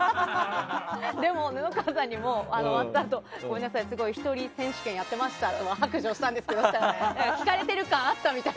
でも、布川さんにも終わったあとごめんなさい１人選手権やってましたって白状したんですが聞かれてるの分かったみたい。